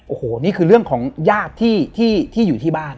โอ้โหนี่คือเรื่องของญาติที่อยู่ที่บ้าน